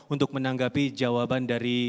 untuk menanggapi jawaban dari